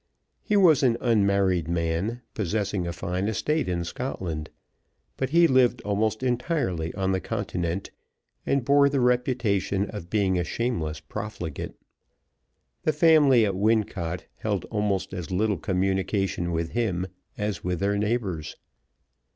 He was an unmarried man, possessing a fine estate in Scotland; but he lived almost entirely on the Continent, and bore the reputation of being a shameless profligate. The family at Wincot held almost as little communication with him as with their neighbors.